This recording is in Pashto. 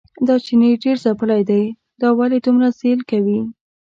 دا چیني ډېر ځېلی دی، دا ولې دومره ځېل کوي.